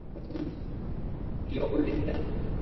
বলুন তো, আপনি কি লিওপোল্ডিনা যাচ্ছেন?